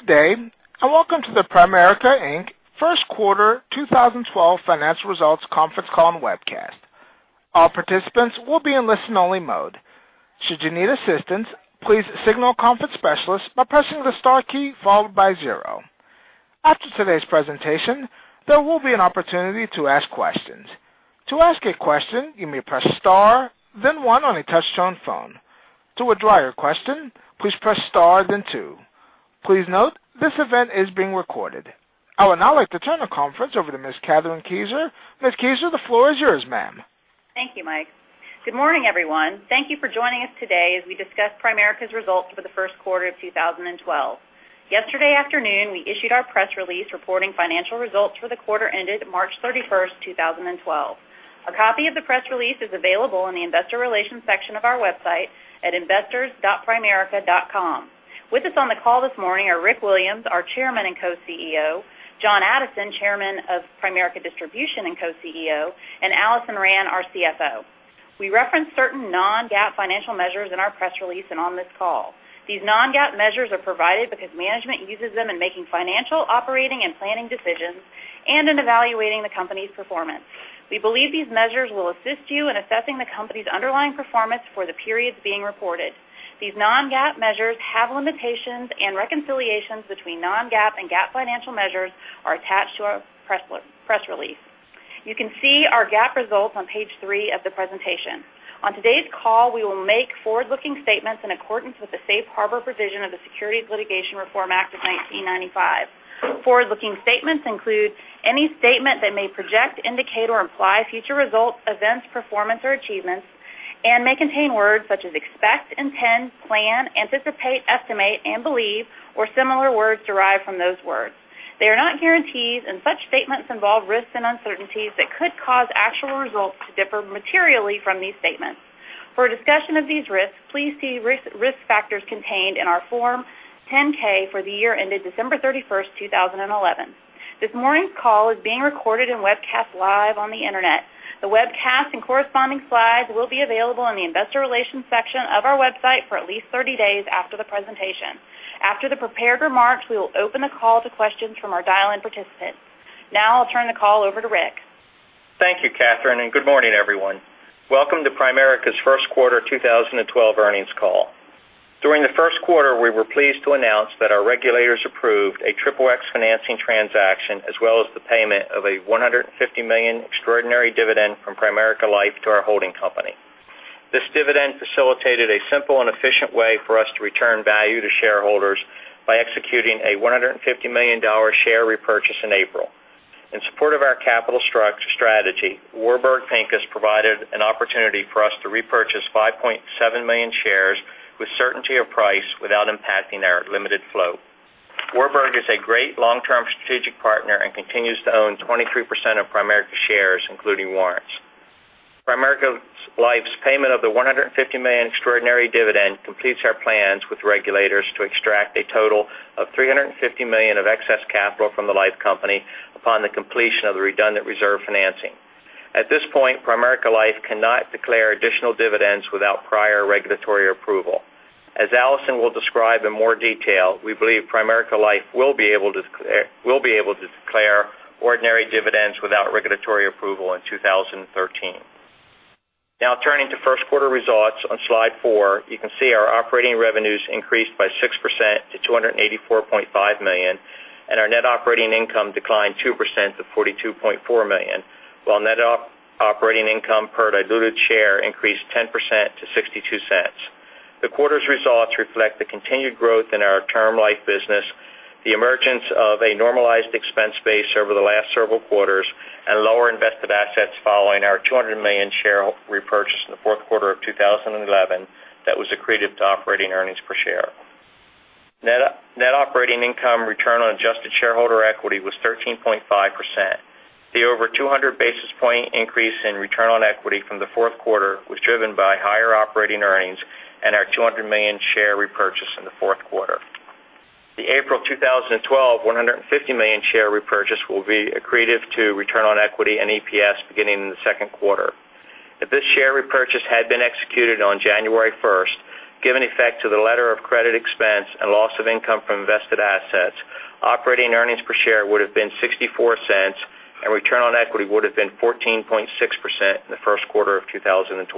Good day, and welcome to the Primerica, Inc. first quarter 2012 financial results conference call and webcast. All participants will be in listen-only mode. Should you need assistance, please signal a conference specialist by pressing the star key followed by 0. After today's presentation, there will be an opportunity to ask questions. To ask a question, you may press star then 1 on a touch-tone phone. To withdraw your question, please press star then 2. Please note, this event is being recorded. I would now like to turn the conference over to Ms. Kathryn Kieser. Ms. Kieser, the floor is yours, ma'am. Thank you, Mike. Good morning, everyone. Thank you for joining us today as we discuss Primerica's results for the first quarter of 2012. Yesterday afternoon, we issued our press release reporting financial results for the quarter ended March 31st, 2012. A copy of the press release is available in the investor relations section of our website at investors.primerica.com. With us on the call this morning are Rick Williams, our Chairman and co-CEO, John Addison, Chairman of Primerica Distribution and co-CEO, and Alison Rand, our CFO. We reference certain non-GAAP financial measures in our press release and on this call. These non-GAAP measures are provided because management uses them in making financial operating and planning decisions, and in evaluating the company's performance. We believe these measures will assist you in assessing the company's underlying performance for the periods being reported. These non-GAAP measures have limitations, and reconciliations between non-GAAP and GAAP financial measures are attached to our press release. You can see our GAAP results on page three of the presentation. On today's call, we will make forward-looking statements in accordance with the safe harbor provision of the Securities Litigation Reform Act of 1995. Forward-looking statements include any statement that may project, indicate, or imply future results, events, performance, or achievements, and may contain words such as expect, intend, plan, anticipate, estimate, and believe, or similar words derived from those words. They are not guarantees, and such statements involve risks and uncertainties that could cause actual results to differ materially from these statements. For a discussion of these risks, please see risk factors contained in our Form 10-K for the year ended December 31st, 2011. This morning's call is being recorded and webcast live on the internet. The webcast and corresponding slides will be available in the investor relations section of our website for at least 30 days after the presentation. After the prepared remarks, we will open the call to questions from our dial-in participants. Now I'll turn the call over to Rick. Thank you, Kathryn, and good morning, everyone. Welcome to Primerica's first quarter 2012 earnings call. During the first quarter, we were pleased to announce that our regulators approved a XXX financing transaction, as well as the payment of a $150 million extraordinary dividend from Primerica Life to our holding company. This dividend facilitated a simple and efficient way for us to return value to shareholders by executing a $150 million share repurchase in April. In support of our capital strategy, Warburg Pincus provided an opportunity for us to repurchase 5.7 million shares with certainty of price without impacting our limited flow. Warburg is a great long-term strategic partner and continues to own 23% of Primerica shares, including warrants. Primerica Life's payment of the $150 million extraordinary dividend completes our plans with regulators to extract a total of $350 million of excess capital from the life company upon the completion of the redundant reserve financing. At this point, Primerica Life cannot declare additional dividends without prior regulatory approval. As Alison will describe in more detail, we believe Primerica Life will be able to declare ordinary dividends without regulatory approval in 2013. Turning to first quarter results on slide four, you can see our operating revenues increased by 6% to $284.5 million, and our net operating income declined 2% to $42.4 million, while net operating income per diluted share increased 10% to $0.62. The quarter's results reflect the continued growth in our term life business, the emergence of a normalized expense base over the last several quarters, and lower invested assets following our $200 million share repurchase in the fourth quarter of 2011 that was accretive to operating earnings per share. Net operating income return on adjusted shareholder equity was 13.5%. The over 200 basis point increase in return on equity from the fourth quarter was driven by higher operating earnings and our $200 million share repurchase in the fourth quarter. The April 2012 $150 million share repurchase will be accretive to return on equity and EPS beginning in the second quarter. If this share repurchase had been executed on January 1st, given effect to the letter of credit expense and loss of income from invested assets, operating earnings per share would have been $0.64, and return on equity would have been 14.6% in the first quarter of 2012.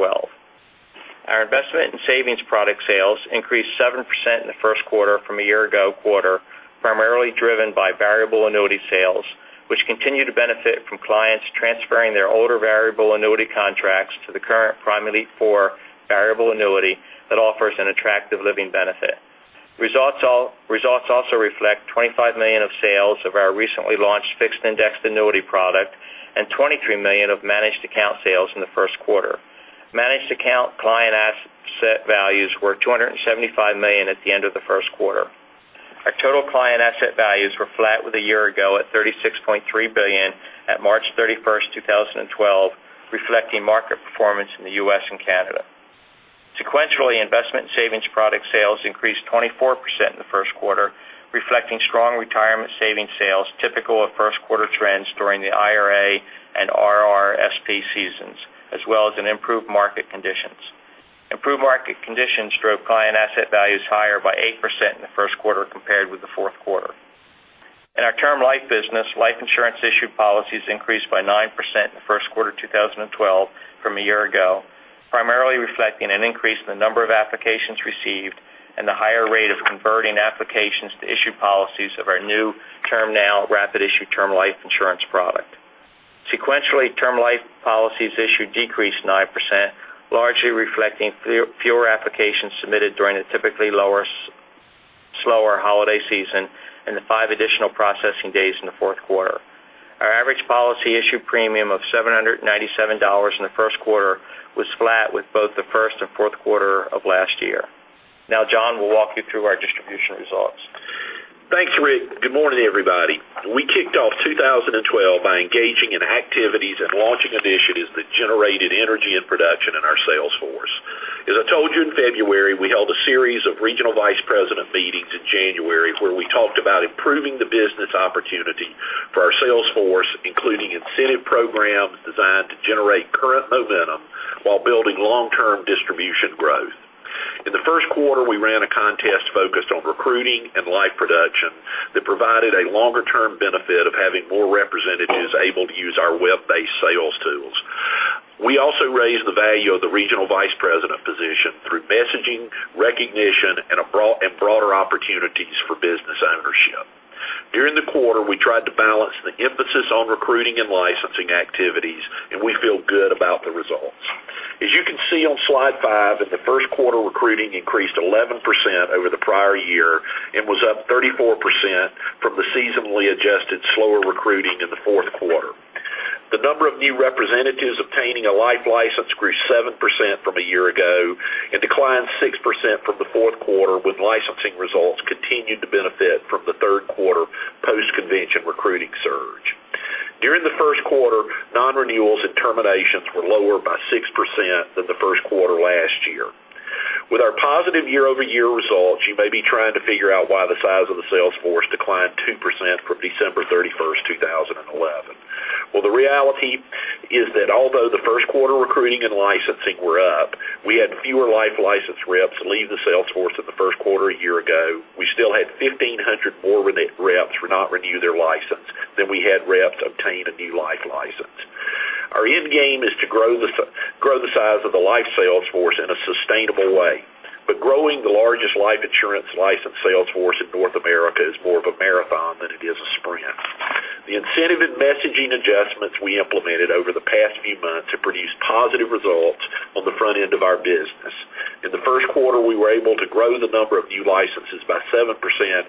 Our investment and savings product sales increased 7% in the first quarter from a year ago quarter, primarily driven by variable annuity sales, which continue to benefit from clients transferring their older variable annuity contracts to the current Prime Elite IV variable annuity that offers an attractive living benefit. Results also reflect $25 million of sales of our recently launched fixed indexed annuity product and $23 million of managed account sales in the first quarter. Managed account client asset values were $275 million at the end of the first quarter. Our total client asset values were flat with a year ago at $36.3 billion at March 31st, 2012, reflecting market performance in the U.S. and Canada. Sequentially, investment savings product sales increased 24% in the first quarter, reflecting strong retirement savings sales typical of first quarter trends during Market conditions. Improved market conditions drove client asset values higher by 8% in the first quarter compared with the fourth quarter. In our Term Life business, life insurance issued policies increased by 9% in first quarter 2012 from a year ago, primarily reflecting an increase in the number of applications received and the higher rate of converting applications to issued policies of our new TermNow rapid issue term life insurance product. Sequentially, term life policies issued decreased 9%, largely reflecting fewer applications submitted during the typically slower holiday season and the 5 additional processing days in the fourth quarter. Our average policy issue premium of $797 in the first quarter was flat with both the first and fourth quarter of last year. Now John will walk you through our distribution results. Thanks, Rick. Good morning, everybody. We kicked off 2012 by engaging in activities and launching initiatives that generated energy and production in our sales force. As I told you in February, we held a series of Regional Vice President meetings in January, where we talked about improving the business opportunity for our sales force, including incentive programs designed to generate current momentum while building long-term distribution growth. In the first quarter, we ran a contest focused on recruiting and life production that provided a longer-term benefit of having more representatives able to use our web-based sales tools. We also raised the value of the Regional Vice President position through messaging, recognition, and broader opportunities for business ownership. During the quarter, we tried to balance the emphasis on recruiting and licensing activities. We feel good about the results. As you can see on slide five, in the first quarter, recruiting increased 11% over the prior year and was up 34% from the seasonally adjusted slower recruiting in the fourth quarter. The number of new representatives obtaining a life license grew 7% from a year ago and declined 6% from the fourth quarter, when licensing results continued to benefit from the third quarter post-convention recruiting surge. During the first quarter, nonrenewals and terminations were lower by 6% than the first quarter last year. With our positive year-over-year results, you may be trying to figure out why the size of the sales force declined 2% from December 31st, 2011. Well, the reality is that although the first quarter recruiting and licensing were up, we had fewer life license reps leave the sales force in the first quarter a year ago. We still had 1,500 more reps who did not renew their license than we had reps obtain a new life license. Our end game is to grow the size of the life sales force in a sustainable way. Growing the largest life insurance license sales force in North America is more of a marathon than it is a sprint. The incentive and messaging adjustments we implemented over the past few months have produced positive results on the front end of our business. In the first quarter, we were able to grow the number of new licenses by 7%,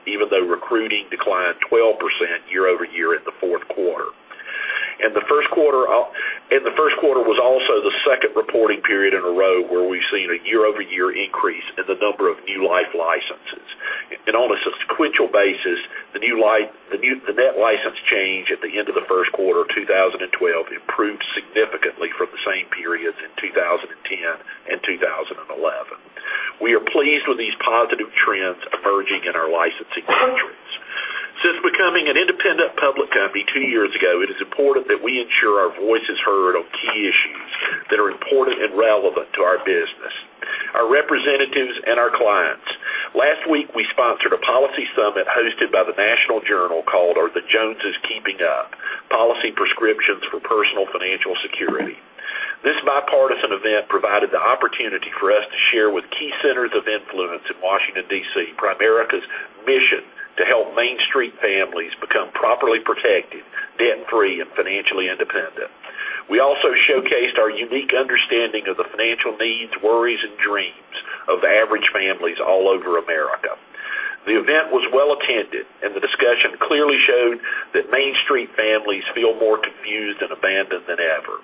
even though recruiting declined 12% year-over-year in the fourth quarter. The first quarter was also the second reporting period in a row where we've seen a year-over-year increase in the number of new life licenses. On a sequential basis, the net license change at the end of the first quarter 2012 improved significantly from the same periods in 2010 and 2011. We are pleased with these positive trends emerging in our licensing metrics. Since becoming an independent public company two years ago, it is important that we ensure our voice is heard on key issues that are important and relevant to our business, our representatives, and our clients. Last week, we sponsored a policy summit hosted by the National Journal called, "Are the Joneses Keeping Up? Policy Prescriptions for Personal Financial Security." This bipartisan event provided the opportunity for us to share with key centers of influence in Washington, D.C., Primerica's mission to help Main Street families become properly protected, debt-free, and financially independent. We also showcased our unique understanding of the financial needs, worries, and dreams of average families all over America. The event was well attended, and the discussion clearly showed that Main Street families feel more confused and abandoned than ever.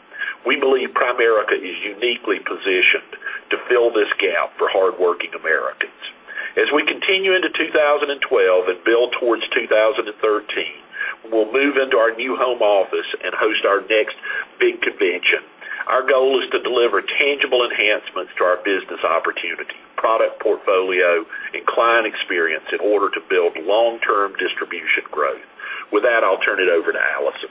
We believe Primerica is uniquely positioned to fill this gap for hardworking Americans. As we continue into 2012 and build towards 2013, we'll move into our new home office and host our next big convention. Our goal is to deliver tangible enhancements to our business opportunity, product portfolio, and client experience in order to build long-term distribution growth. With that, I'll turn it over to Alison.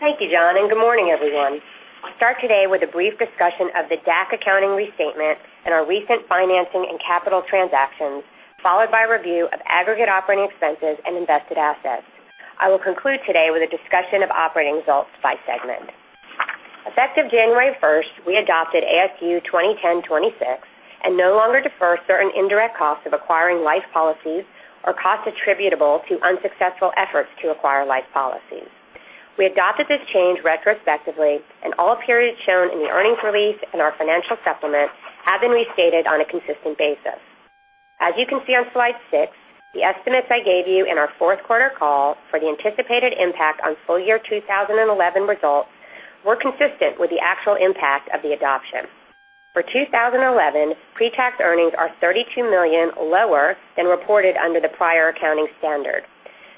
Thank you, John, and good morning, everyone. I'll start today with a brief discussion of the DAC accounting restatement and our recent financing and capital transactions, followed by a review of aggregate operating expenses and invested assets. I will conclude today with a discussion of operating results by segment. Effective January 1st, we adopted ASU 2010-26 and no longer defer certain indirect costs of acquiring life policies or costs attributable to unsuccessful efforts to acquire life policies. We adopted this change retrospectively, and all periods shown in the earnings release and our financial supplement have been restated on a consistent basis. As you can see on slide six, the estimates I gave you in our fourth quarter call for the anticipated impact on full year 2011 results were consistent with the actual impact of the adoption. For 2011, pre-tax earnings are $32 million lower than reported under the prior accounting standard.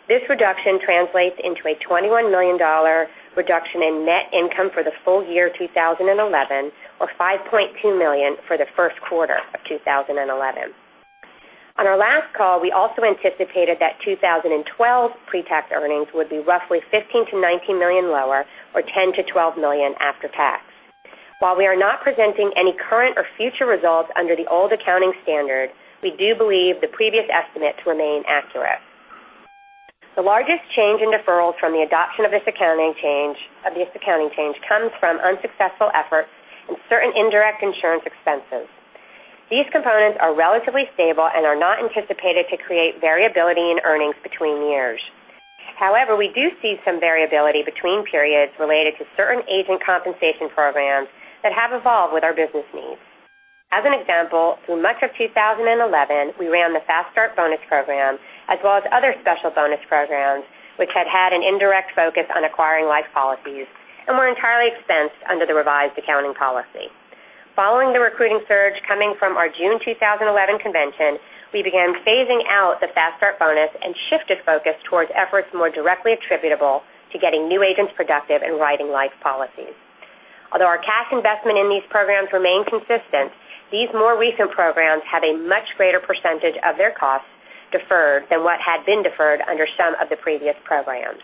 This reduction translates into a $21 million reduction in net income for the full year 2011, or $5.2 million for the first quarter of 2011. On our last call, we also anticipated that 2012 pre-tax earnings would be roughly $15 million-$19 million lower or $10 million-$12 million after tax. While we are not presenting any current or future results under the old accounting standard, we do believe the previous estimate to remain accurate. The largest change in deferrals from the adoption of this accounting change comes from unsuccessful efforts in certain indirect insurance expenses. These components are relatively stable and are not anticipated to create variability in earnings between years. However, we do see some variability between periods related to certain agent compensation programs that have evolved with our business needs. As an example, through much of 2011, we ran the Fast Start bonus program, as well as other special bonus programs, which had had an indirect focus on acquiring life policies and were entirely expensed under the revised accounting policy. Following the recruiting surge coming from our June 2011 convention, we began phasing out the Fast Start bonus and shifted focus towards efforts more directly attributable to getting new agents productive and writing life policies. Although our cash investment in these programs remained consistent, these more recent programs have a much greater percentage of their costs deferred than what had been deferred under some of the previous programs.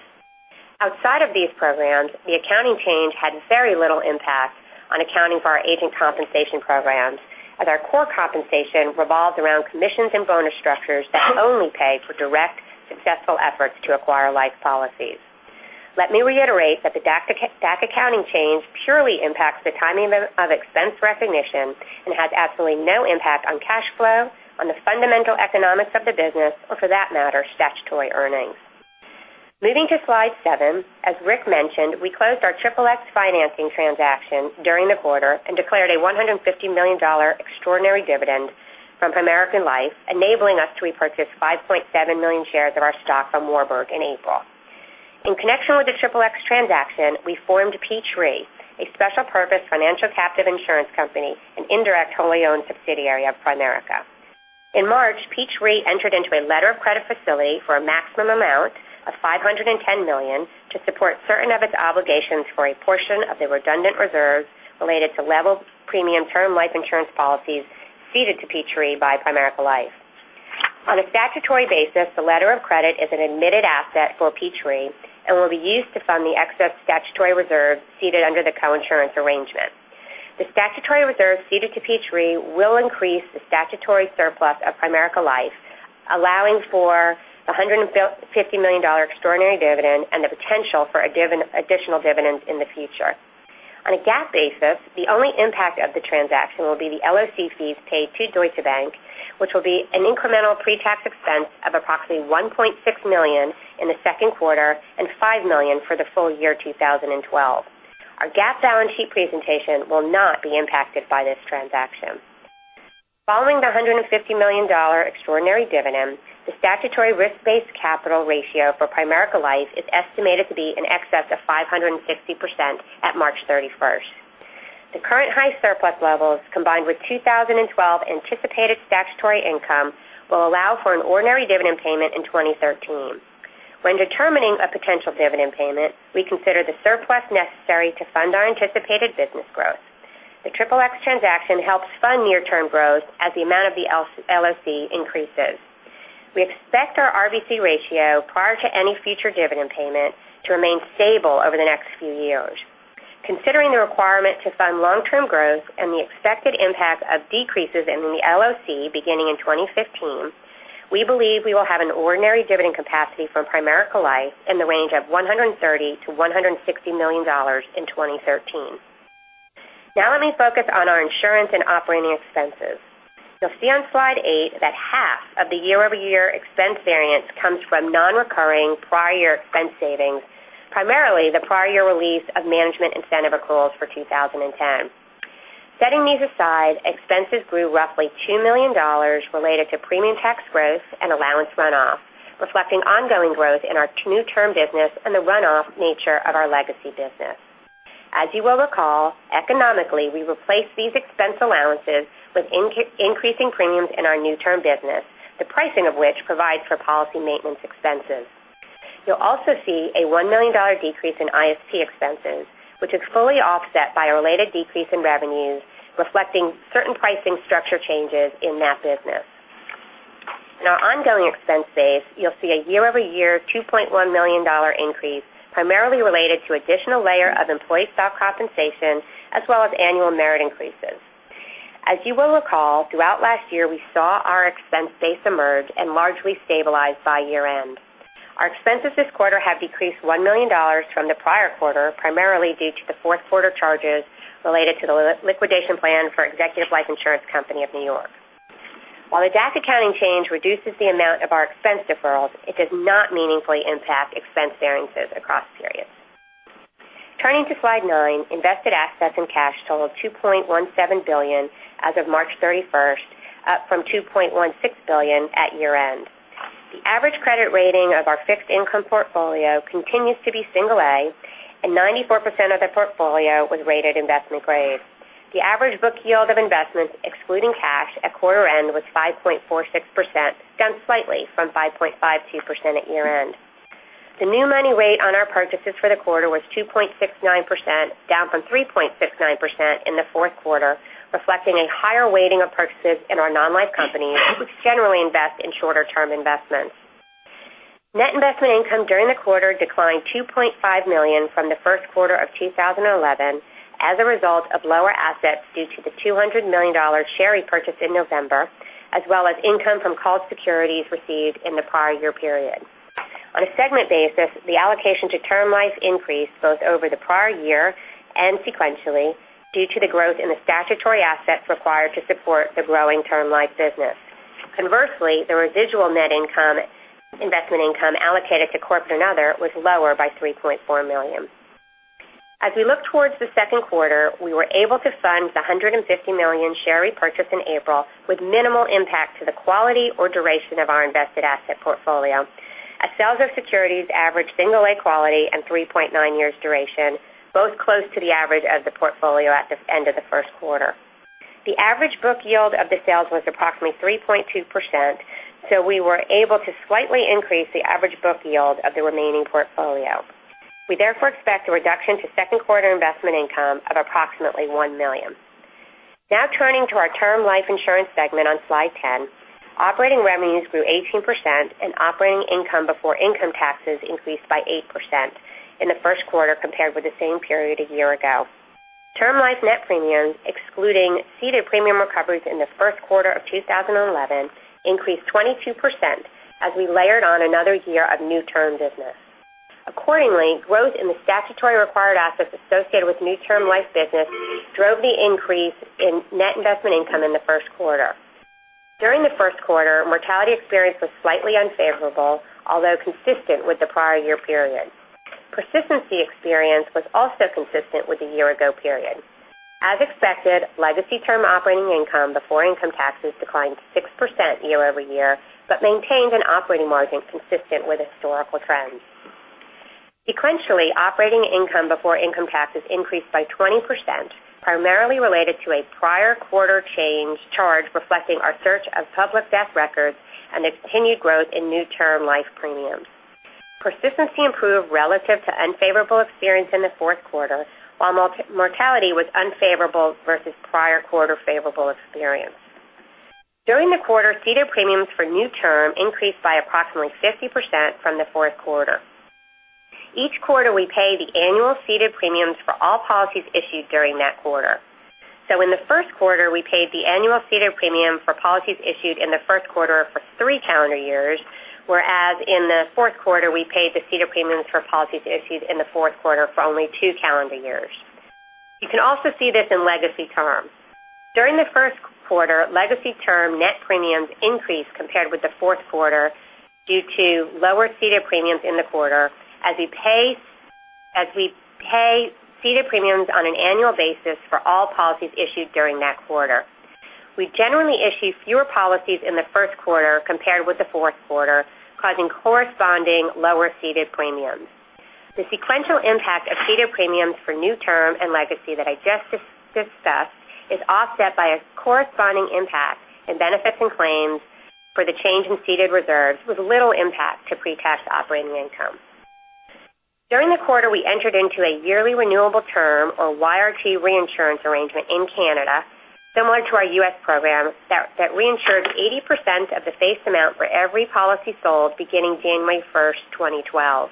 Outside of these programs, the accounting change had very little impact on accounting for our agent compensation programs as our core compensation revolves around commissions and bonus structures that only pay for direct successful efforts to acquire life policies. Let me reiterate that the DAC accounting change purely impacts the timing of expense recognition and has absolutely no impact on cash flow, on the fundamental economics of the business or for that matter, statutory earnings. Moving to slide seven, as Rick mentioned, we closed our XXX financing transaction during the quarter and declared a $150 million extraordinary dividend from Primerica Life, enabling us to repurchase 5.7 million shares of our stock from Warburg in April. In connection with the XXX transaction, we formed Peach Re, a special purpose financial captive insurance company and indirect wholly owned subsidiary of Primerica. In March, Peach Re entered into a letter of credit facility for a maximum amount of $510 million to support certain of its obligations for a portion of the redundant reserves related to level premium term life insurance policies ceded to Peach Re by Primerica Life. On a statutory basis, the letter of credit is an admitted asset for Peach Re and will be used to fund the excess statutory reserve ceded under the coinsurance arrangement. The statutory reserves ceded to Peach Re will increase the statutory surplus of Primerica Life, allowing for $150 million extraordinary dividend and the potential for additional dividends in the future. On a GAAP basis, the only impact of the transaction will be the LOC fees paid to Deutsche Bank, which will be an incremental pre-tax expense of approximately $1.6 million in the second quarter and $5 million for the full year 2012. Our GAAP balance sheet presentation will not be impacted by this transaction. Following the $150 million extraordinary dividend, the statutory risk-based capital ratio for Primerica Life is estimated to be in excess of 560% at March 31st. The current high surplus levels, combined with 2012 anticipated statutory income, will allow for an ordinary dividend payment in 2013. When determining a potential dividend payment, we consider the surplus necessary to fund our anticipated business growth. The XXX transaction helps fund near-term growth as the amount of the LOC increases. We expect our RBC ratio prior to any future dividend payment to remain stable over the next few years. Considering the requirement to fund long-term growth and the expected impact of decreases in the LOC beginning in 2015, we believe we will have an ordinary dividend capacity for Primerica Life in the range of $130 million-$160 million in 2013. Let me focus on our insurance and operating expenses. You'll see on slide eight that half of the year-over-year expense variance comes from non-recurring prior expense savings, primarily the prior year release of management incentive accruals for 2010. Setting these aside, expenses grew roughly $2 million related to premium tax growth and allowance runoff, reflecting ongoing growth in our new term business and the runoff nature of our legacy business. As you will recall, economically, we replaced these expense allowances with increasing premiums in our new term business, the pricing of which provides for policy maintenance expenses. You'll also see a $1 million decrease in ISP expenses, which is fully offset by a related decrease in revenues, reflecting certain pricing structure changes in that business. In our ongoing expense base, you'll see a year-over-year $2.1 million increase, primarily related to additional layer of employee stock compensation as well as annual merit increases. As you will recall, throughout last year, we saw our expense base emerge and largely stabilize by year-end. Our expenses this quarter have decreased $1 million from the prior quarter, primarily due to the fourth quarter charges related to the liquidation plan for Executive Life Insurance Company of New York. While the DAC accounting change reduces the amount of our expense deferrals, it does not meaningfully impact expense variances across periods. Turning to slide nine, invested assets and cash total of $2.17 billion as of March 31st, up from $2.16 billion at year end. The average credit rating of our fixed income portfolio continues to be single A, and 94% of the portfolio was rated investment grade. The average book yield of investments, excluding cash, at quarter end was 5.46%, down slightly from 5.52% at year end. The new money rate on our purchases for the quarter was 2.69%, down from 3.69% in the fourth quarter, reflecting a higher weighting of purchases in our non-life companies, which generally invest in shorter-term investments. Net investment income during the quarter declined $2.5 million from the first quarter of 2011 as a result of lower assets due to the $200 million share repurchase in November, as well as income from called securities received in the prior year period. On a segment basis, the allocation to term life increased both over the prior year and sequentially due to the growth in the statutory assets required to support the growing term life business. Conversely, the residual net income, investment income allocated to corporate and other was lower by $3.4 million. We look towards the second quarter, we were able to fund the $150 million share repurchase in April with minimal impact to the quality or duration of our invested asset portfolio. Sales of securities average A single quality and 3.9 years duration, both close to the average of the portfolio at the end of the first quarter. The average book yield of the sales was approximately 3.2%, we were able to slightly increase the average book yield of the remaining portfolio. We therefore expect a reduction to second quarter investment income of approximately $1 million. Turning to our term life insurance segment on Slide 10. Operating revenues grew 18% and operating income before income taxes increased by 8% in the first quarter compared with the same period a year-ago. Term life net premiums, excluding ceded premium recoveries in the first quarter of 2011, increased 22% as we layered on another year of new term business. Accordingly, growth in the statutory required assets associated with new term life business drove the increase in net investment income in the first quarter. During the first quarter, mortality experience was slightly unfavorable, although consistent with the prior year period. Persistency experience was also consistent with the year-ago period. Expected, legacy term operating income before income taxes declined 6% year-over-year, maintained an operating margin consistent with historical trends. Sequentially, operating income before income taxes increased by 20%, primarily related to a prior quarter change charge reflecting our search of public death records and the continued growth in new term life premiums. Persistency improved relative to unfavorable experience in the fourth quarter, while mortality was unfavorable versus prior quarter favorable experience. During the quarter, ceded premiums for new term increased by approximately 50% from the fourth quarter. Each quarter, we pay the annual ceded premiums for all policies issued during that quarter. In the first quarter, we paid the annual ceded premium for policies issued in the first quarter for three calendar years, whereas in the fourth quarter, we paid the ceded premiums for policies issued in the fourth quarter for only two calendar years. You can also see this in legacy term. During the first quarter, legacy term net premiums increased compared with the fourth quarter due to lower ceded premiums in the quarter, we pay ceded premiums on an annual basis for all policies issued during that quarter. We generally issue fewer policies in the first quarter compared with the fourth quarter, causing corresponding lower ceded premiums. The sequential impact of ceded premiums for new term and legacy that I just discussed is offset by a corresponding impact in benefits and claims for the change in ceded reserves with little impact to pre-tax operating income. During the quarter, we entered into a yearly renewable term, or YRT reinsurance arrangement in Canada similar to our U.S. program that reinsured 80% of the face amount for every policy sold beginning January 1st, 2012.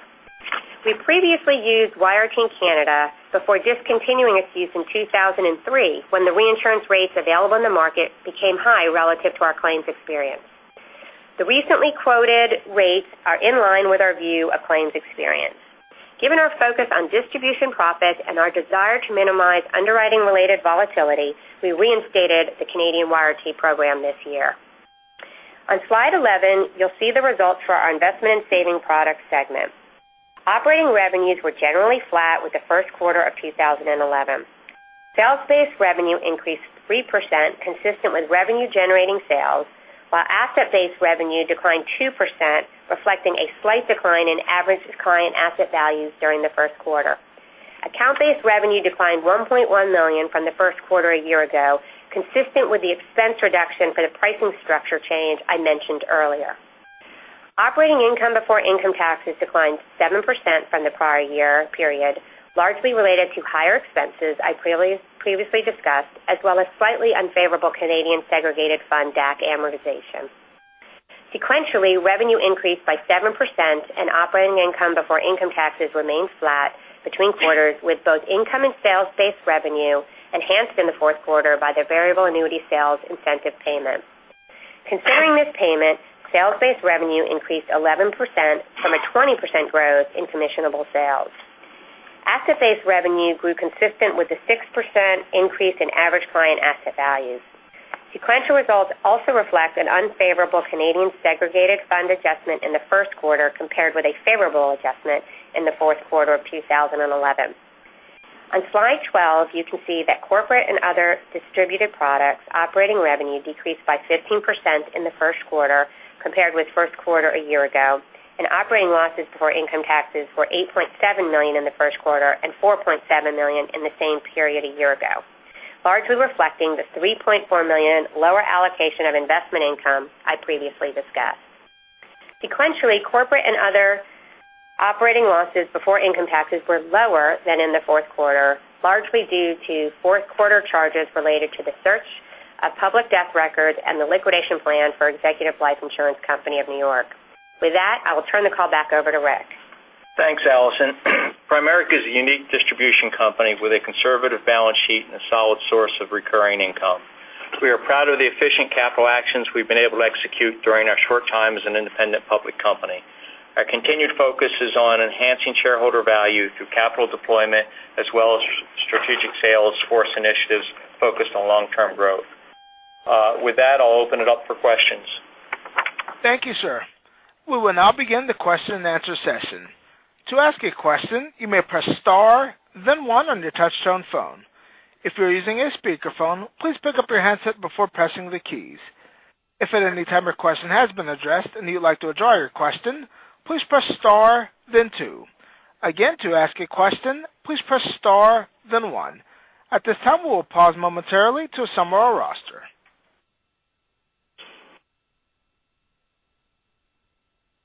We previously used YRT in Canada before discontinuing its use in 2003, when the reinsurance rates available in the market became high relative to our claims experience. The recently quoted rates are in line with our view of claims experience. Given our focus on distribution profits and our desire to minimize underwriting-related volatility, we reinstated the Canadian YRT program this year. Slide 11, you'll see the results for our Investment and Savings Products Segment. Operating revenues were generally flat with the first quarter of 2011. Sales-based revenue increased 3%, consistent with revenue-generating sales, while asset-based revenue declined 2%, reflecting a slight decline in average client asset values during the first quarter. Account-based revenue declined $1.1 million from the first quarter a year ago, consistent with the expense reduction for the pricing structure change I mentioned earlier. Operating income before income taxes declined 7% from the prior year period, largely related to higher expenses I previously discussed, as well as slightly unfavorable Canadian segregated fund DAC amortization. Sequentially, revenue increased by 7% and operating income before income taxes remained flat between quarters, with both income and sales-based revenue enhanced in the fourth quarter by the variable annuity sales incentive payment. Concerning this payment, sales-based revenue increased 11% from a 20% growth in commissionable sales. Asset-based revenue grew consistent with the 6% increase in average client asset values. Sequential results also reflect an unfavorable Canadian segregated fund adjustment in the first quarter, compared with a favorable adjustment in the fourth quarter of 2011. On slide 12, you can see that corporate and other distributed products operating revenue decreased by 15% in the first quarter compared with first quarter a year ago, and operating losses before income taxes were $8.7 million in the first quarter and $4.7 million in the same period a year ago. Largely reflecting the $3.4 million lower allocation of investment income I previously discussed. Sequentially, corporate and other operating losses before income taxes were lower than in the fourth quarter, largely due to fourth-quarter charges related to the search of public death records and the liquidation plan for Executive Life Insurance Company of New York. With that, I will turn the call back over to Rick. Thanks, Alison. Primerica is a unique distribution company with a conservative balance sheet and a solid source of recurring income. We are proud of the efficient capital actions we've been able to execute during our short time as an independent public company. Our continued focus is on enhancing shareholder value through capital deployment as well as strategic sales force initiatives focused on long-term growth. With that, I'll open it up for questions. Thank you, sir. We will now begin the question and answer session. To ask a question, you may press star then one on your touchtone phone. If you're using a speakerphone, please pick up your handset before pressing the keys. If at any time your question has been addressed and you'd like to withdraw your question, please press star then two. Again, to ask a question, please press star then one. At this time, we'll pause momentarily to assemble our roster.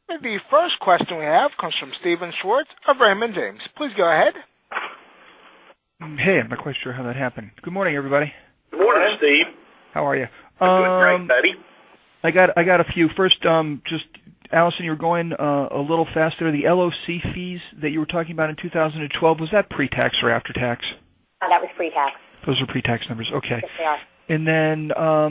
The first question we have comes from Steven Schwartz of Raymond James. Please go ahead. Hey, I'm not quite sure how that happened. Good morning, everybody. Good morning, Steve. How are you? Good, great, buddy. I got a few. First, just Alison, you were going a little faster. The LOC fees that you were talking about in 2012, was that pre-tax or after tax? That was pre-tax. Those were pre-tax numbers. Okay. Yes, they are.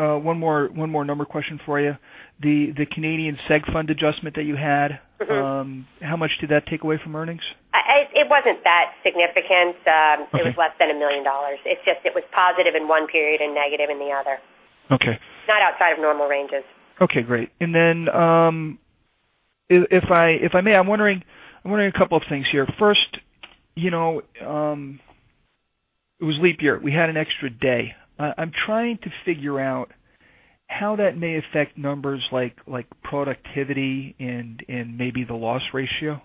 One more number question for you. The Canadian seg fund adjustment that you had. How much did that take away from earnings? It wasn't that significant. Okay. It was less than $1 million. It's just it was positive in one period and negative in the other. Okay. Not outside of normal ranges. Okay, great. Then, if I may, I'm wondering a couple of things here. First, it was leap year, we had an extra day. I'm trying to figure out how that may affect numbers like productivity and maybe the loss ratio.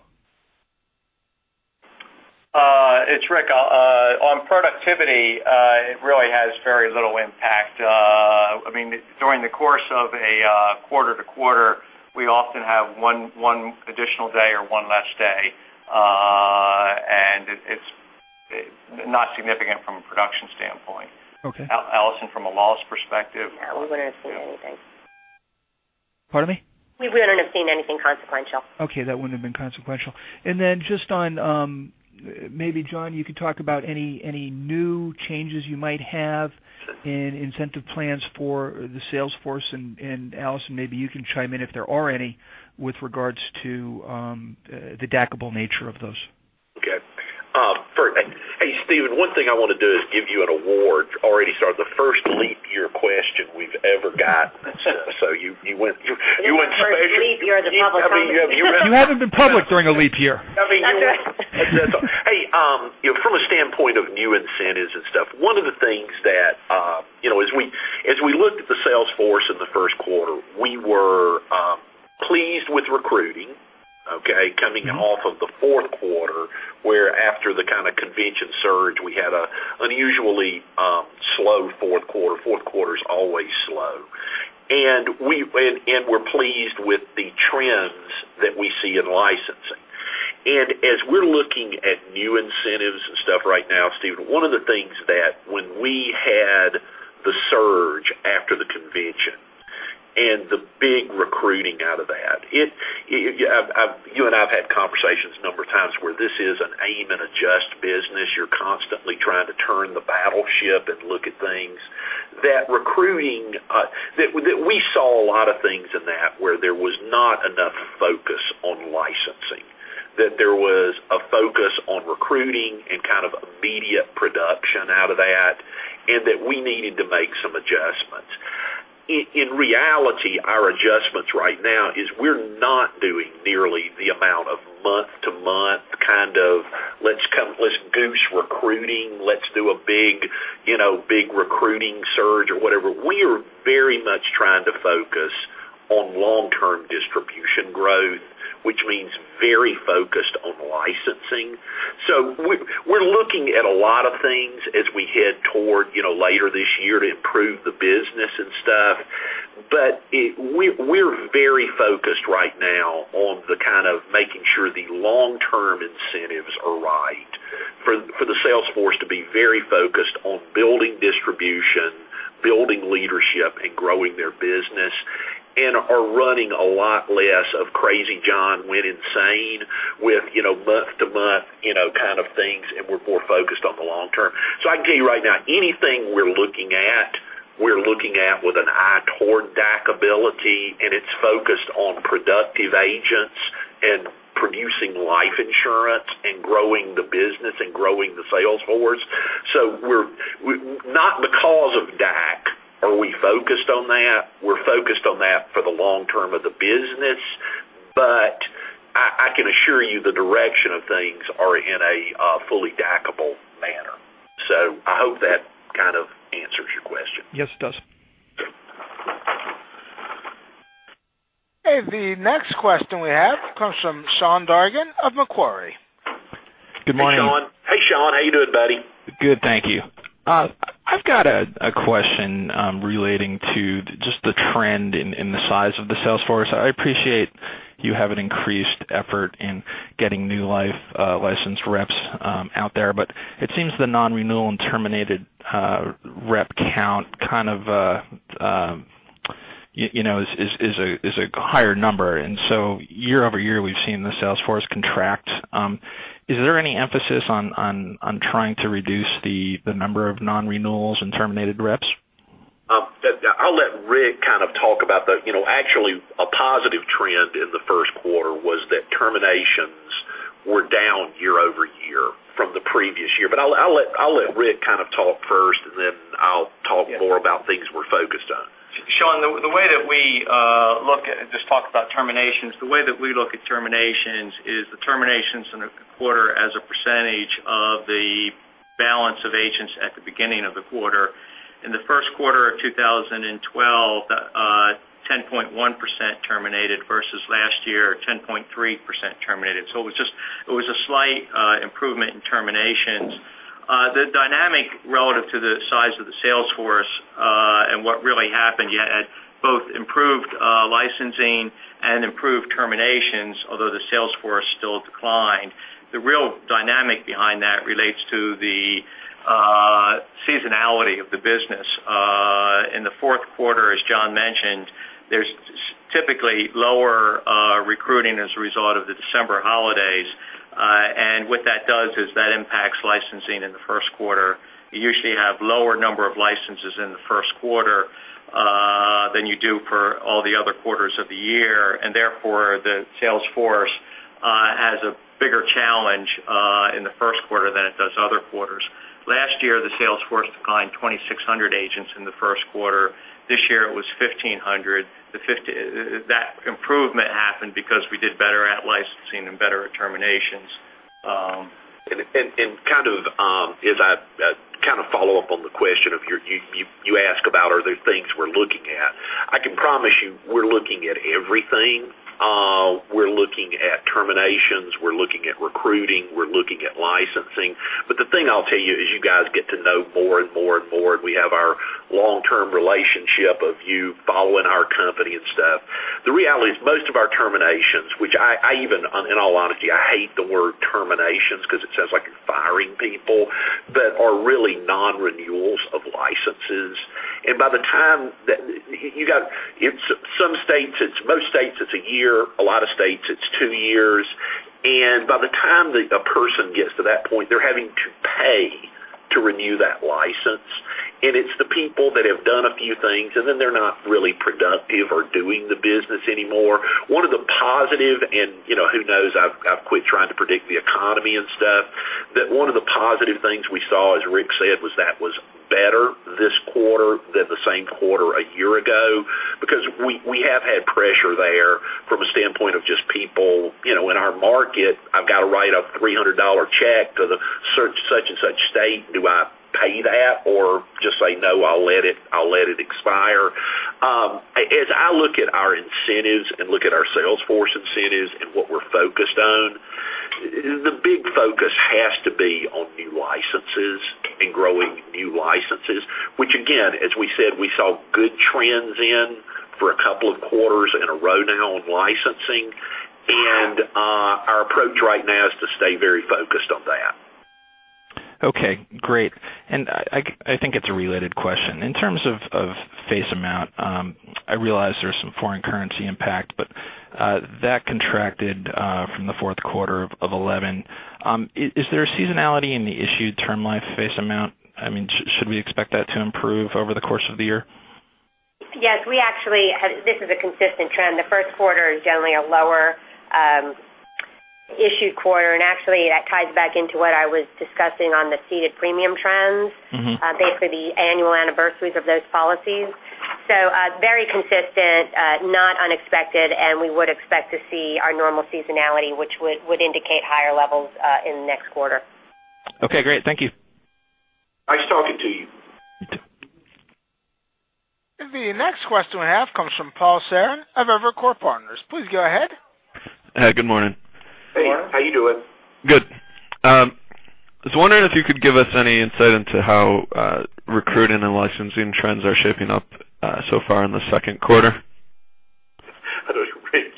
It's Rick. On productivity, it really has very little impact. During the course of a quarter to quarter, we often have one additional day or one less day. It's not significant from a production standpoint. Okay. Alison, from a loss perspective? Yeah, we wouldn't have seen anything. Pardon me? We wouldn't have seen anything consequential. That wouldn't have been consequential. Just on, maybe John, you could talk about any new changes you might have in incentive plans for the sales force and Alison, maybe you can chime in if there are any, with regards to the DACable nature of those. Hey, Steven, one thing I want to do is give you an award. Already started the first leap year question we've ever gotten. You went special. This is the first leap year as a public company. You haven't been public during a leap year. That's right. Hey, from a standpoint of new incentives and stuff, one of the things that as we looked at the sales force in the first quarter, we were pleased with recruiting, okay? Coming off of the fourth quarter, where after the kind of convention surge, we had an unusually slow fourth quarter. Fourth quarter is always slow. We're pleased with the trends that we see in licensing. As we're looking at new incentives and stuff right now, Steven, one of the things that when we had the surge after the convention and the big recruiting out of that, you and I have had conversations a number of times where this is an aim and adjust business. You're constantly trying to turn the battleship and look at things. That recruiting, we saw a lot of things in that where there was not enough focus on licensing, that there was a focus on recruiting and kind of immediate production out of that, and that we needed to make some adjustments. In reality, our adjustments right now is we're not doing nearly the amount of month-to-month kind of, let's goose recruiting, let's do a big recruiting surge or whatever. We are very much trying to focus on long-term distribution growth, which means very focused on licensing. We're looking at a lot of things as we head toward later this year to improve the business and stuff. We're very focused right now on the kind of making sure the long-term incentives are right for the sales force to be very focused on building distribution, building leadership, and growing their business, and are running a lot less of crazy John went insane with month-to-month kind of things, and we're more focused on the long-term. I can tell you right now, anything we're looking at, we're looking at with an eye toward DAC ability, and it's focused on productive agents and producing life insurance and growing the business and growing the sales force. Not because of DAC are we focused on that. We're focused on that for the long-term of the business. I can assure you the direction of things are in a fully DACable manner. I hope that kind of answers your question. Yes, it does. The next question we have comes from Sean Dargan of Macquarie. Good morning. Hey, Sean. How you doing, buddy? Good, thank you. I've got a question relating to just the trend in the size of the sales force. I appreciate you have an increased effort in getting new life licensed reps out there, but it seems the non-renewal and terminated rep count kind of is a higher number. Year-over-year, we've seen the sales force contract. Is there any emphasis on trying to reduce the number of non-renewals and terminated reps? I'll let Rick kind of talk about the Actually, a positive trend in the first quarter was that terminations were down year-over-year from the previous year. I'll let Rick kind of talk first, and then I'll talk more about things we're focused on. Sean, just talk about terminations. The way that we look at terminations is the terminations in a quarter as a percentage of the balance of agents at the beginning of the quarter. In the first quarter of 2012, 10.1% terminated versus last year, 10.3% terminated. It was a slight improvement in terminations. The dynamic relative to the size of the sales force, and what really happened, you had both improved licensing and improved terminations, although the sales force still declined. The real dynamic behind that relates to the seasonality of the business. In the fourth quarter, as John mentioned, there's typically lower recruiting as a result of the December holidays. What that does is that impacts licensing in the first quarter. You usually have lower number of licenses in the first quarter than you do for all the other quarters of the year, and therefore, the sales force has a bigger challenge in the first quarter than it does other quarters. Last year, the sales force declined 2,600 agents in the first quarter. This year it was 1,500. That improvement happened because we did better at licensing and better at terminations. kind of as a follow-up on the question you asked about are there things we're looking at, I can promise you we're looking at everything. We're looking at terminations, we're looking at recruiting, we're looking at licensing. The thing I'll tell you, as you guys get to know more and more and more, and we have our long-term relationship of you following our company and stuff. The reality is, most of our terminations, which I even, in all honesty, I hate the word terminations because it sounds like firing people, but are really non-renewals of licenses. In some states, most states, it's a year, a lot of states it's two years. by the time that a person gets to that point, they're having to pay to renew that license, and it's the people that have done a few things, and then they're not really productive or doing the business anymore. One of the positive, and who knows, I've quit trying to predict the economy and stuff, but one of the positive things we saw, as Rick said, was that was better this quarter than the same quarter a year ago because we have had pressure there from a standpoint of just people in our market. I've got to write a $300 check to such and such state. Do I pay that or just say, "No, I'll let it expire." As I look at our incentives and look at our sales force incentives and what we're focused on, the big focus has to be on new licenses and growing new licenses, which again, as we said, we saw good trends in for a couple of quarters in a row now on licensing. Our approach right now is to stay very focused on that. Okay, great. I think it's a related question. In terms of face amount, I realize there's some foreign currency impact, that contracted from the fourth quarter of 2011. Is there a seasonality in the issued term life face amount? I mean, should we expect that to improve over the course of the year? Yes. This is a consistent trend. The first quarter is generally a lower issued quarter, actually that ties back into what I was discussing on the ceded premium trends. Basically, the annual anniversaries of those policies. Very consistent, not unexpected, we would expect to see our normal seasonality, which would indicate higher levels in the next quarter. Okay, great. Thank you. Nice talking to you. You, too. The next question we have comes from Paul Sarran of Evercore Partners. Please go ahead. Hey, good morning. Hey, how you doing? Good. I was wondering if you could give us any insight into how recruiting and licensing trends are shaping up so far in the second quarter. Rick,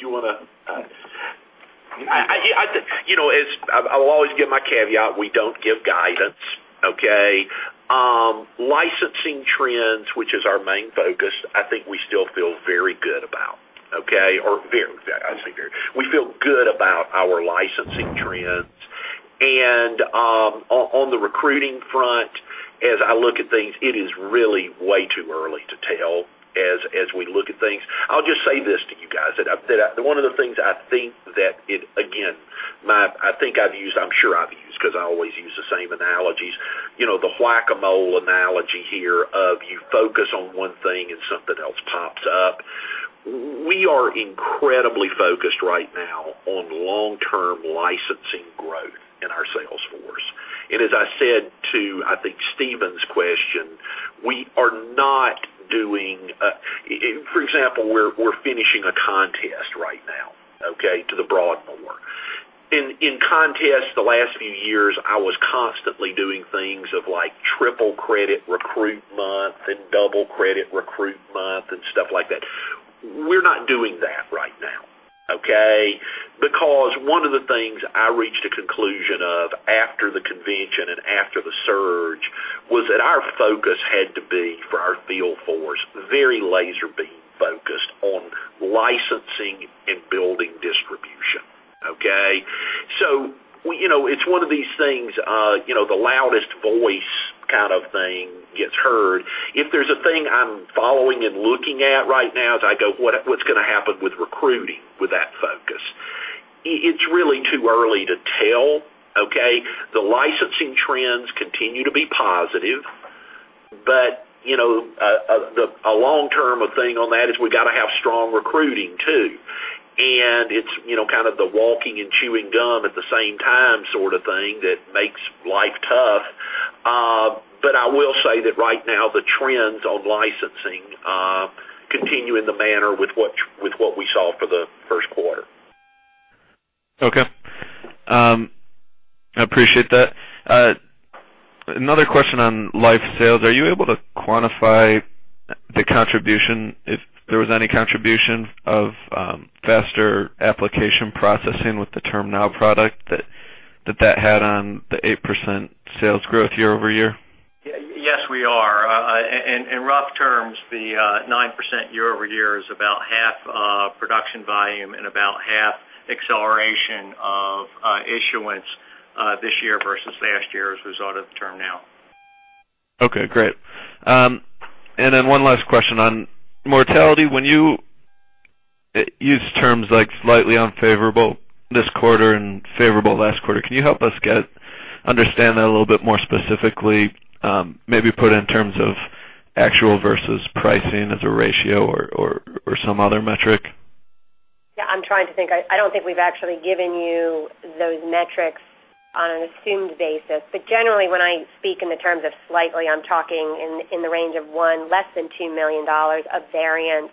I'll always give my caveat. We don't give guidance. Okay. Licensing trends, which is our main focus, I think we still feel very good about. Okay. I say very. We feel good about our licensing trends. On the recruiting front, as I look at things, it is really way too early to tell as we look at things. I'll just say this to you guys, that one of the things I think that it, again, I'm sure I've used, because I always use the same analogies, the whack-a-mole analogy here of you focus on one thing and something else pops up. We are incredibly focused right now on long-term licensing growth in our sales force. As I said to, I think, Steven's question. We are not doing. For example, we're finishing a contest right now, okay, to the broad more. In contests the last few years, I was constantly doing things of triple credit recruit month and double credit recruit month and stuff like that. We're not doing that right now, okay. One of the things I reached a conclusion of after the convention and after the surge was that our focus had to be, for our field force, very laser beam-focused on licensing and building distribution. Okay. It's one of these things, the loudest voice kind of thing gets heard. If there's a thing I'm following and looking at right now as I go, "What's going to happen with recruiting with that focus?" It's really too early to tell, okay. The licensing trends continue to be positive. A long-term thing on that is we got to have strong recruiting, too. It's kind of the walking and chewing gum at the same time sort of thing that makes life tough. I will say that right now, the trends on licensing continue in the manner with what we saw for the first quarter. Okay. I appreciate that. Another question on life sales. Are you able to quantify the contribution, if there was any contribution of faster application processing with the TermNow product that had on the 8% sales growth year-over-year? Yes, we are. In rough terms, the 9% year-over-year is about half production volume and about half acceleration of issuance this year versus last year as a result of TermNow. Okay, great. One last question on mortality. When you use terms like slightly unfavorable this quarter and favorable last quarter, can you help us understand that a little bit more specifically, maybe put in terms of actual versus pricing as a ratio or some other metric? Yeah, I'm trying to think. I don't think we've actually given you those metrics on an assumed basis. Generally, when I speak in the terms of slightly, I'm talking in the range of one, less than $2 million of variance,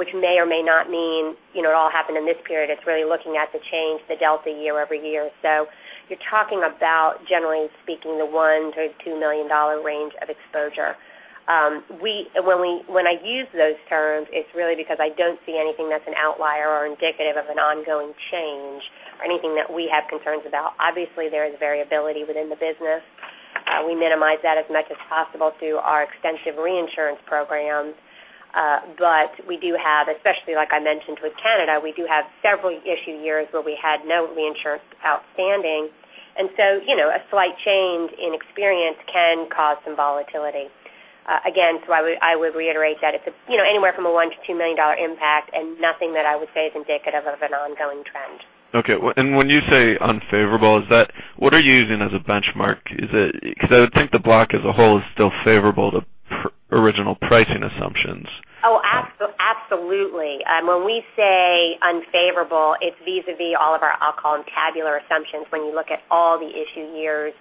which may or may not mean it all happened in this period. It's really looking at the change, the delta year-over-year. You're talking about, generally speaking, the $1 million-$2 million range of exposure. When I use those terms, it's really because I don't see anything that's an outlier or indicative of an ongoing change or anything that we have concerns about. Obviously, there is variability within the business. We minimize that as much as possible through our extensive reinsurance programs. We do have, especially like I mentioned with Canada, we do have several issue years where we had no reinsurance outstanding. A slight change in experience can cause some volatility. Again, I would reiterate that it's anywhere from a $1 million-$2 million impact and nothing that I would say is indicative of an ongoing trend. Okay. When you say unfavorable, what are you using as a benchmark? I would think the block as a whole is still favorable to original pricing assumptions. Absolutely. When we say unfavorable, it's vis-a-vis all of our, I'll call them tabular assumptions, when you look at all the issue years.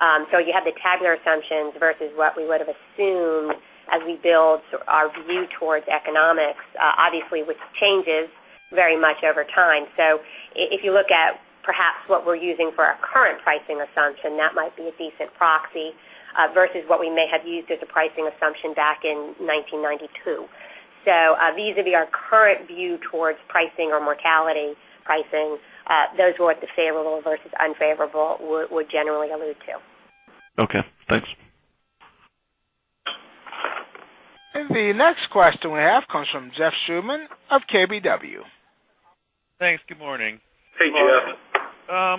You have the tabular assumptions versus what we would have assumed as we build our view towards economics, obviously, which changes very much over time. If you look at perhaps what we're using for our current pricing assumption, that might be a decent proxy versus what we may have used as a pricing assumption back in 1992. Vis-a-vis our current view towards pricing or mortality pricing, those are what the favorable versus unfavorable would generally allude to. Okay, thanks. The next question we have comes from Jeff Schuman of KBW. Thanks. Good morning. Hey, Jeff. A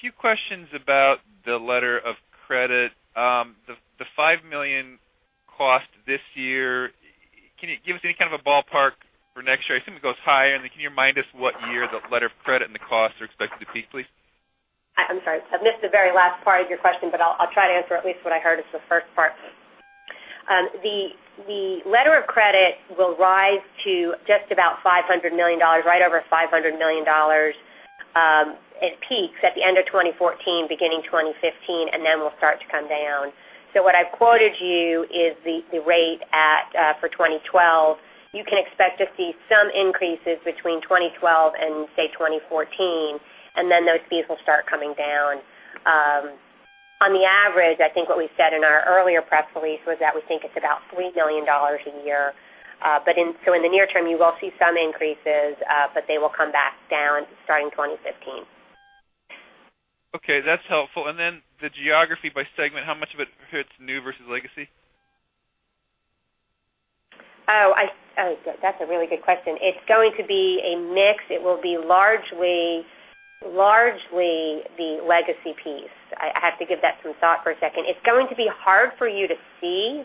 few questions about the letter of credit. The $5 million cost this year, can you give us any kind of a ballpark for next year? I assume it goes higher, and can you remind us what year the letter of credit and the costs are expected to peak, please? I'm sorry. I missed the very last part of your question, but I'll try to answer at least what I heard as the first part. The letter of credit will rise to just about $500 million, right over $500 million. It peaks at the end of 2014, beginning 2015, and then will start to come down. What I've quoted you is the rate for 2012. You can expect to see some increases between 2012 and say 2014, and then those fees will start coming down. On the average, I think what we said in our earlier press release was that we think it's about $3 million a year. In the near term, you will see some increases, but they will come back down starting 2015. Okay, that's helpful. The geography by segment, how much of it hits new versus legacy? Oh, that's a really good question. It's going to be a mix. It will be largely the legacy piece. I have to give that some thought for a second. It's going to be hard for you to see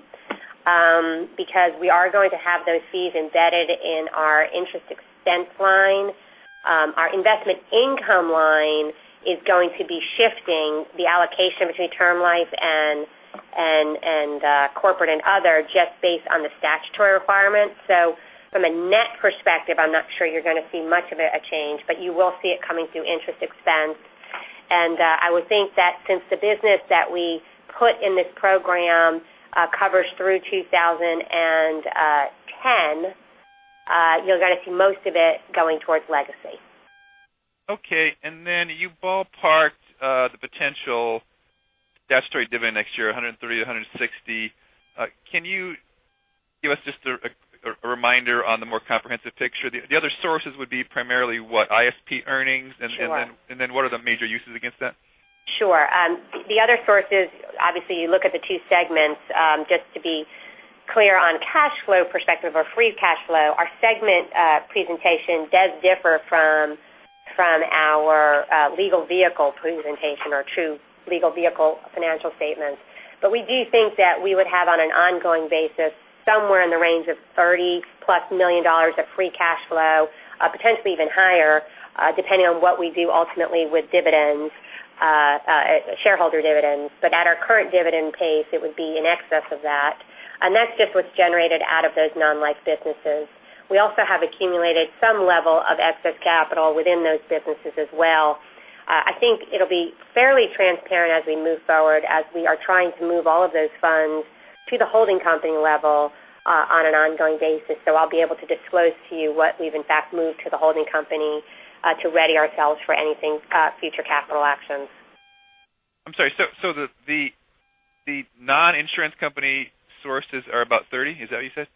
because we are going to have those fees embedded in our interest expense line. Our investment income line is going to be shifting the allocation between term life and corporate and other just based on the statutory requirements. From a net perspective, I'm not sure you're going to see much of a change, but you will see it coming through interest expense. I would think that since the business that we put in this program covers through 2010, you're going to see most of it going towards legacy. Okay. You ballparked the potential statutory dividend next year, $130-$160. Can you give us just a reminder on the more comprehensive picture? The other sources would be primarily what, ISP earnings? Sure. What are the major uses against that? Sure. The other sources, obviously, you look at the two segments. Just to be clear on cash flow perspective or free cash flow, our segment presentation does differ from our legal vehicle presentation or true legal vehicle financial statements. We do think that we would have on an ongoing basis, somewhere in the range of $30 plus million of free cash flow, potentially even higher, depending on what we do ultimately with shareholder dividends. At our current dividend pace, it would be in excess of that. That's just what's generated out of those non-life businesses. We also have accumulated some level of excess capital within those businesses as well. I think it'll be fairly transparent as we move forward as we are trying to move all of those funds to the holding company level on an ongoing basis. I'll be able to disclose to you what we've in fact moved to the holding company to ready ourselves for anything, future capital actions. I'm sorry. The non-insurance company sources are about $30? Is that what you said?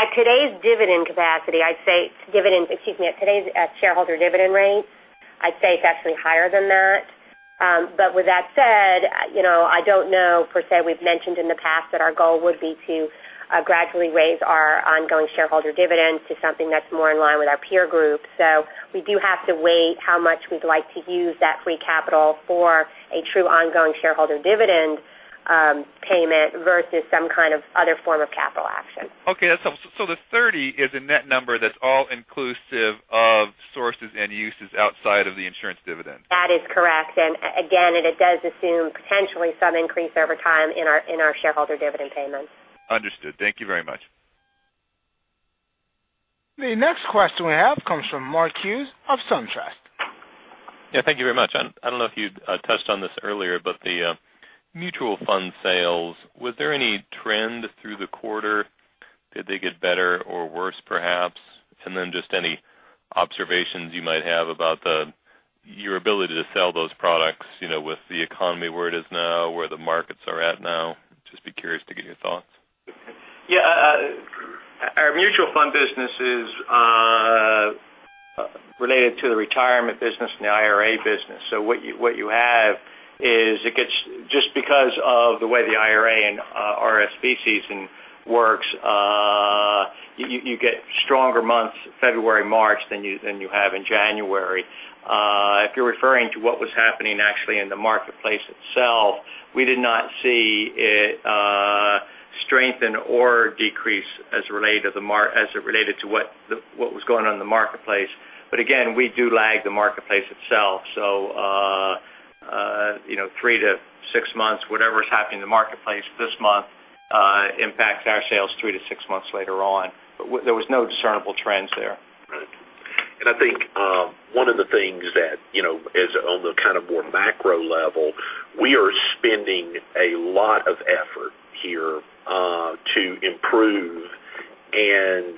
At today's dividend capacity, I'd say it's dividend. Excuse me. At today's shareholder dividend rate, I'd say it's actually higher than that. With that said, I don't know, per se, we've mentioned in the past that our goal would be to gradually raise our ongoing shareholder dividend to something that's more in line with our peer group. We do have to weigh how much we'd like to use that free capital for a true ongoing shareholder dividend payment versus some kind of other form of capital action. Okay, that's helpful. The $30 is a net number that's all inclusive of sources and uses outside of the insurance dividend? That is correct. Again, and it does assume potentially some increase over time in our shareholder dividend payments. Understood. Thank you very much. The next question we have comes from Mark Hughes of SunTrust. Yeah, thank you very much. I don't know if you touched on this earlier, the mutual fund sales, was there any trend through the quarter? Did they get better or worse perhaps? Just any observations you might have about your ability to sell those products with the economy where it is now, where the markets are at now. Just be curious to get your thoughts. Yeah. Our mutual fund business is related to the retirement business and the IRA business. What you have is it gets just because of the way the IRA and RSP season works. You get stronger months February, March than you have in January. If you're referring to what was happening actually in the marketplace itself, we did not see it strengthen or decrease as it related to what was going on in the marketplace. Again, we do lag the marketplace itself. Three to six months, whatever's happening in the marketplace this month impacts our sales three to six months later on. There was no discernible trends there. Right. I think one of the things that is on the kind of more macro level, we are spending a lot of effort here to improve and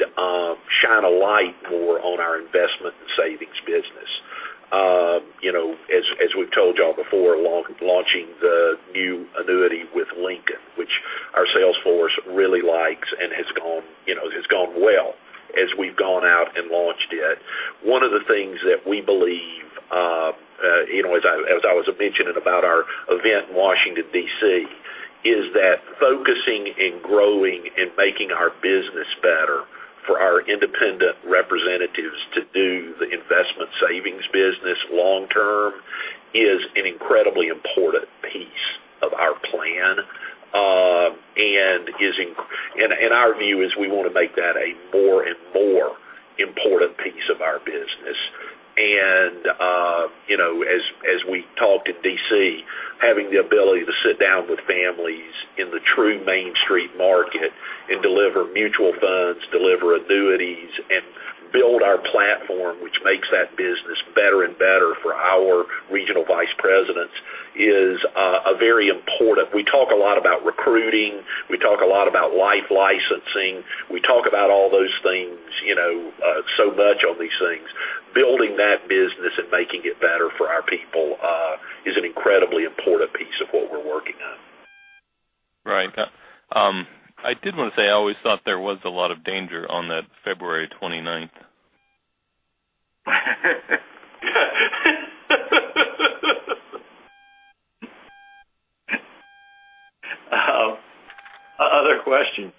shine a light more on our investment and savings business. As we've told you all before, launching the new annuity with Lincoln, which our sales force really likes and has gone well as we've gone out and launched it. One of the things that we believe as I was mentioning about our event in Washington, D.C., is that focusing and growing and making our business better for our independent representatives to do the investment savings business long term is an incredibly important piece of our plan. Our view is we want to make that a more and more important piece of our business. As we talked in D.C., having the ability to sit down with families in the true mainstream market and deliver mutual funds, deliver annuities, and build our platform, which makes that business better and better for our regional vice presidents is very important. We talk a lot about recruiting. We talk a lot about life licensing. We talk about all those things so much on these things. Building that business and making it better for our people is an incredibly important piece of what we're working on. Right. I did want to say, I always thought there was a lot of danger on that February 29th. Other questions?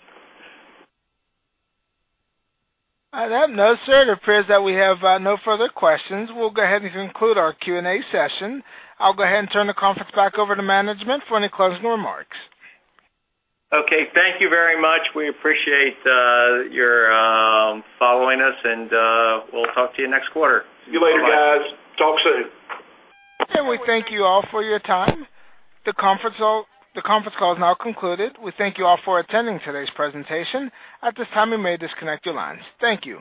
I have none, sir. It appears that we have no further questions. We'll go ahead and conclude our Q&A session. I'll go ahead and turn the conference back over to management for any closing remarks. Okay, thank you very much. We appreciate your following us and we'll talk to you next quarter. See you later, guys. Talk soon. We thank you all for your time. The conference call is now concluded. We thank you all for attending today's presentation. At this time, you may disconnect your lines. Thank you.